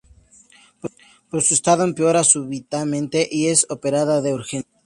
Pero su estado empeora súbitamente y es operada de urgencia.